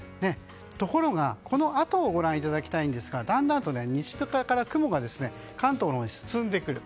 ところが、このあとをご覧いただきたいんですがだんだんと西から雲が関東のほうに進んでくる。